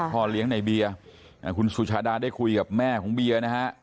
พ่อเลี้ยงในเบียร์คุณสุชาดาได้คุยกับแม่ของเบียร์นะฮะ